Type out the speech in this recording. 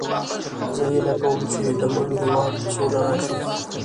زه هیله کوم چې د مونږ هیواد کې سوله راشي